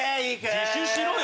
自首しろよ！